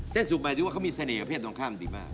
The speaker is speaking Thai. เส้นสุกหมายถึงว่าเขามีเสน่ห์กับเพศตรงข้างดีมาก